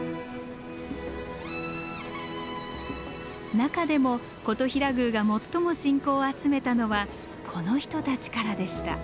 中でも金刀比羅宮が最も信仰を集めたのはこの人たちからでした。